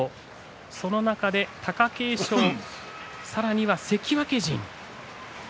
その中で貴景勝さらには関脇陣。